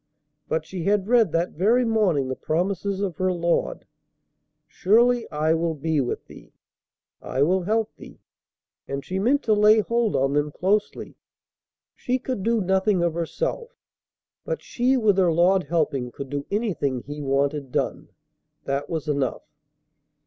But she had read that very morning the promises of her Lord, "Surely I will be with thee," "I will help thee"; and she meant to lay hold on them closely. She could do nothing of herself, but she with her Lord helping could do anything He wanted done. That was enough.